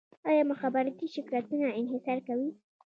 آیا مخابراتي شرکتونه انحصار کوي؟